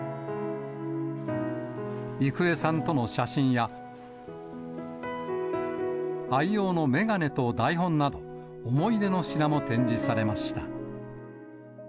郁恵さんとの写真や愛用の眼鏡と台本など、思い出の品も展示されました。